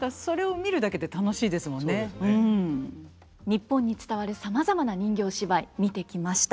日本に伝わるさまざまな人形芝居見てきました。